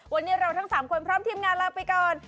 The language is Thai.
วันนี้เราทั้ง๓คนพร้อมทีมงานลาไปก่อน